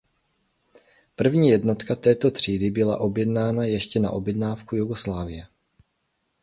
První jednotka této třídy byla objednána ještě na objednávku Jugoslávie.